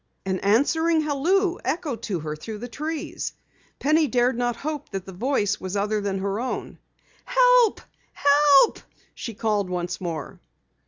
An answering halloo echoed to her through the trees. Penny dared not hope that the voice was other than her own. "Help! Help!" she called once more.